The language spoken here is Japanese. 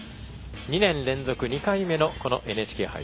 ２年連続２回目のこのＮＨＫ杯。